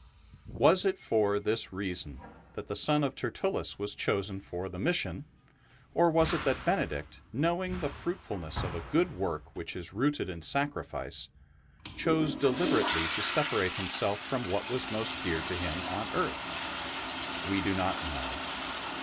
Was it for this reason that the son of Tertullus was chosen for the mission, or was it that Benedict, knowing the fruitfulness of a good work which is rooted in sacrifice, chose deliberately to separate himself from what was most dear to him on earth ? We do not know.